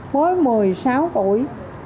mới một mươi sáu tuổi